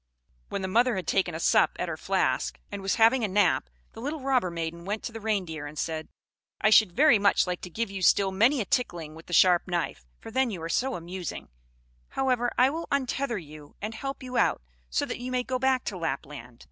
When the mother had taken a sup at her flask, and was having a nap, the little robber maiden went to the Reindeer, and said, "I should very much like to give you still many a tickling with the sharp knife, for then you are so amusing; however, I will untether you, and help you out, so that you may go back to Lapland.